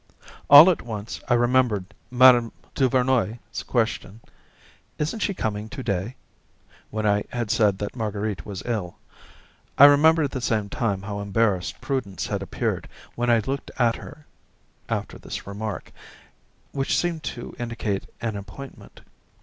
All at once I remembered Mme. Duvernoy's question, "Isn't she coming to day?" when I had said that Marguerite was ill. I remembered at the same time how embarrassed Prudence had appeared when I looked at her after this remark, which seemed to indicate an appointment.